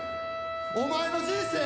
お前の人生や。